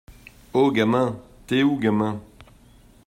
Ho gamin! T'es où gamin?!